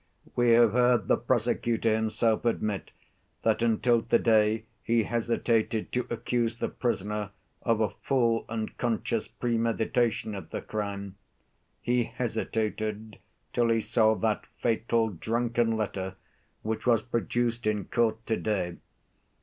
We have heard the prosecutor himself admit that until to‐day he hesitated to accuse the prisoner of a full and conscious premeditation of the crime; he hesitated till he saw that fatal drunken letter which was produced in court to‐day.